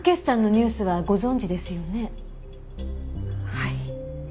はい。